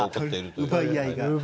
奪い合いが。